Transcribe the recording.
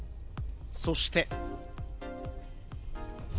そして。